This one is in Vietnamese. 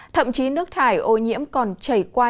thậm chí nước thải ô nhiễm còn chảy qua